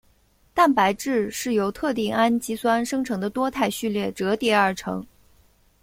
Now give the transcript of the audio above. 蛋白质是由特定氨基酸生成的多肽序列折叠而成。